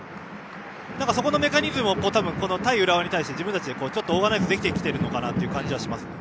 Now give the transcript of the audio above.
そこのメカニズムを対浦和に対して自分たちでオーガナイズできているのかなと思います。